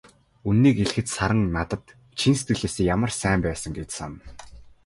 Үнэнийг хэлэхэд, Саран надад чин сэтгэлээсээ ямар сайн байсан гэж санана.